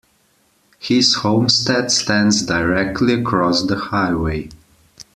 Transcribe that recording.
His homestead stands directly across the highway.